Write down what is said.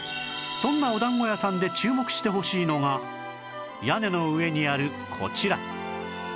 そんなお団子屋さんで注目してほしいのが屋根の上にあるこちら